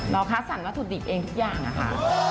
คัดสรรวัตถุดิบเองทุกอย่างนะคะ